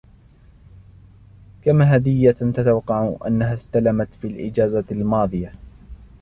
كم هديةً تتوقع أنها استلمت في الإجازة الماضية ؟